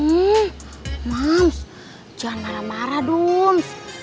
hmm mams jangan marah marah duums